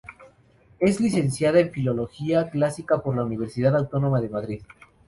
Es licenciada en Filología Clásica por la Universidad Autónoma de Madrid.